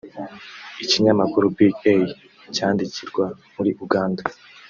Ikinyamakuru Big Eye cyandikirwa muri Uganda